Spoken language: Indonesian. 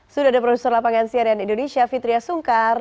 sudah ada produser lapangan siaran indonesia fitria sungkar